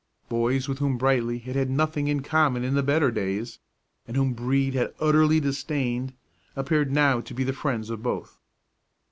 Boys with whom Brightly had had nothing in common in the better days, and whom Brede had utterly disdained, appeared now to be the friends of both.